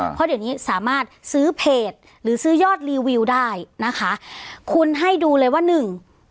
เพราะเดี๋ยวนี้สามารถซื้อเพจหรือซื้อยอดรีวิวได้นะคะคุณให้ดูเลยว่าหนึ่ง